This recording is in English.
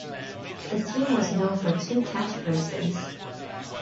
The team was known for two catchphrases.